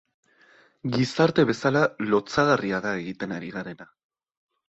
Gizarte bezala lotsagarria da egiten ari garena.